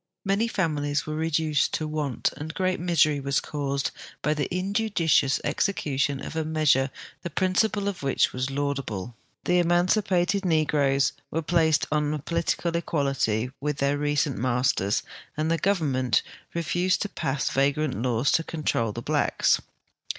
Many families were reduced to want, and great misery was caused by the injudicious execution of a measure the prin ciple of which was laudable. The emaiicipated negroes were placed on a political equality with their recent masters, and the goyernment refused to pass yagrant laws to control the blacks.